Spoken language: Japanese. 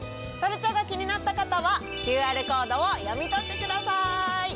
トルチャが気になった方はＱＲコードを読み取ってください！